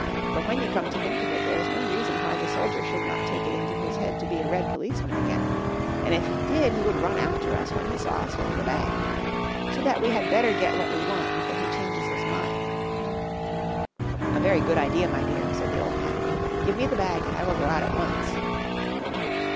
For when you come to think of it there is no reason why the soldier should not take it into his head to be a red policeman again, and if he did he would run after us when he saw us with the bag. So that we had better get what we want before he changes his mind." "A very good idea, my dear," said the old man, "give me the bag and I will go out at once."